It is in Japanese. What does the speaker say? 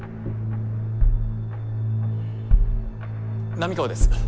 並河です。